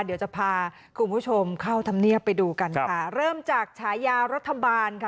เดี๋ยวจะพาคุณผู้ชมเข้าธรรมเนียบไปดูกันค่ะเริ่มจากฉายารัฐบาลค่ะ